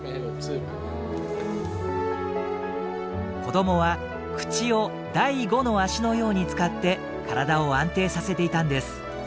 子どもは口を第５の足のように使って体を安定させていたんです。